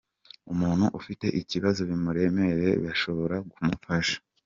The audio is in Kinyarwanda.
umuntu ufite ibibazo bimuremereye bashobora kumufasha